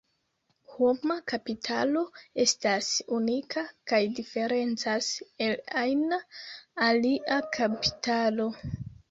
Homa kapitalo estas unika kaj diferencas el ajna alia kapitalo.